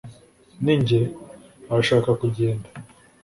ninjye? arashaka kugenda